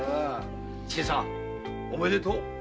千勢さんおめでとう。